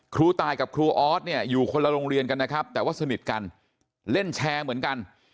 ครูตายกับครูออสเนี่ยอยู่คนละโรงเรียนกันนะครับแต่ว่าสนิทกันเล่นแชร์เหมือนกัน